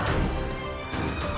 saya mau berpikir